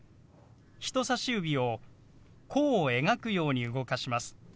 人さし指を弧を描くように動かします。